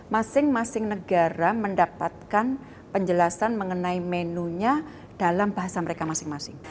masing masing negara mendapatkan penjelasan mengenai menunya dalam bahasa mereka masing masing